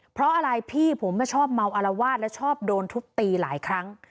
เพราะอะไรพี่ผมชอบเมาอารวาสและชอบโดนทุบตีหลายครั้ง